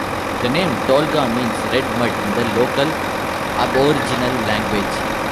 The name Tolga means "red mud" in the local Aboriginal language.